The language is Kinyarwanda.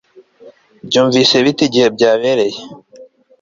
Byumvise bite igihe byabereye